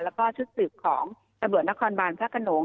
แล้วก็ชุดสืบของตำรวจนครบานพระขนง